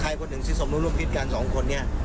ใครคนหนึ่งสิสมนุนร่วมพิพการพวก๒คนนี้